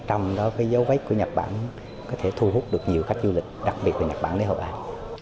trong đó dấu vết của nhật bản có thể thu hút được nhiều khách du lịch đặc biệt là nhật bản đến hội an